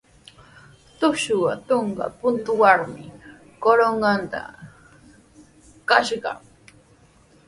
Trusku trunka puntrawmi Corongotraw kashaq.